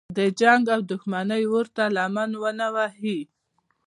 د جنګ او دښمنۍ اور ته لمن ونه وهي.